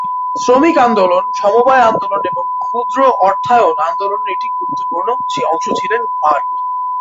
শ্রমিক আন্দোলন, সমবায় আন্দোলন এবং ক্ষুদ্র অর্থায়ন আন্দোলনের একটি অংশ ছিলেন ভাট।